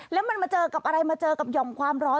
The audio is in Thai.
แล้วมันมาเจอกับอะไรมาเจอกับห่อมความร้อน